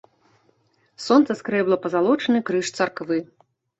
Сонца скрэбла пазалочаны крыж царквы.